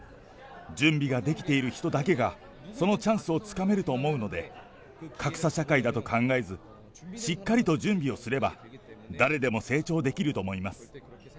準備ができている人だけが、そのチャンスをつかめると思うので、格差社会だと考えず、しっかりと準備をすれば、誰でも成長できると思います。